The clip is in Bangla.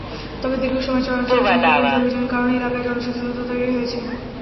তবে দীর্ঘ সময় চরাঞ্চলে জঙ্গিবিরোধী অভিযানের কারণে এলাকায় জনসচেতনতা তৈরি হয়েছে।